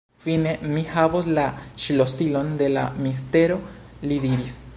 Fine mi havos la ŝlosilon de la mistero, li diris.